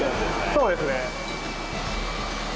そうですね。